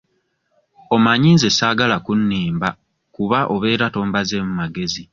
Omanyi nze saagala kunnimba kuba obeera tombazeemu magezi.